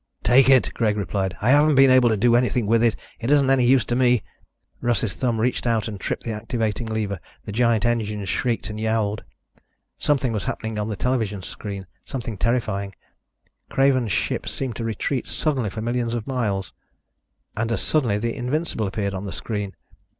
"Take it." Greg replied. "I haven't been able to do anything with it. It isn't any use to me." Russ's thumb reached out and tripped the activating lever. The giant engines shrieked and yowled. Something was happening on the television screen ... something terrifying. Craven's ship seemed to retreat suddenly for millions of miles ... and as suddenly the Invincible appeared on the screen.